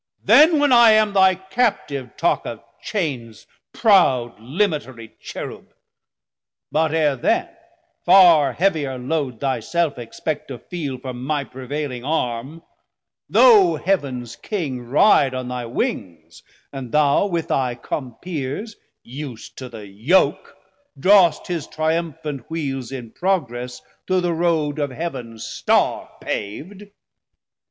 Then when I am thy captive talk of chaines, 970 Proud limitarie Cherube, but ere then Farr heavier load thy self expect to feel From my prevailing arme, though Heavens King Ride on thy wings, and thou with thy Compeers, Us'd to the yoak, draw'st his triumphant wheels In progress through the rode of Heav'n Star pav'd.